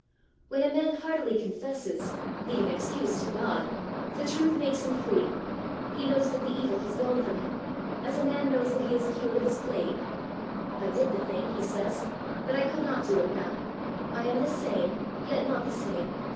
When a man heartily confesses, leaving excuse to God, the truth makes him free, he knows that the evil has gone from him, as a man knows that he is cured of his plague. "I did the thing," he says, "but I could not do it now. I am the same, yet not the same.